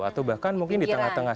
atau bahkan mungkin di tengah tengah